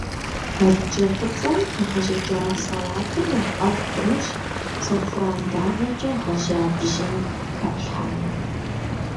Балыджэ фӀыцӀэм къыхэщӀыкӀа салатыр нэхъ ӀэфӀ хъунущ, сэхуран дагъэкӀэ гъэжьа бжьын хэплъхьэмэ.